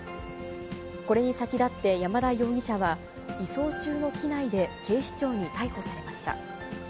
これに先立って山田容疑者は、移送中の機内で警視庁に逮捕されました。